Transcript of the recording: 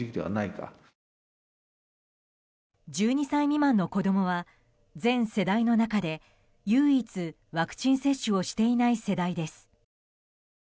１２歳未満の子供は全世代の中で唯一、ワクチン接種をしていない世代です。